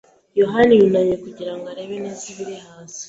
yohani yunamye kugira ngo arebe neza ibiri hasi.